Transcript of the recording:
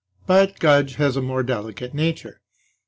But Gudge has a more delicate nature.